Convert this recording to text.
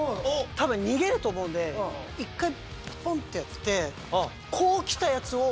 多分逃げると思うんで１回ポン！ってやってこう来たやつを。